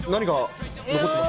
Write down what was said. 何が残ってます？